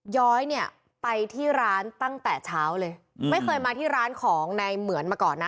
ย้อยเนี่ยไปที่ร้านตั้งแต่เช้าเลยไม่เคยมาที่ร้านของในเหมือนมาก่อนนะ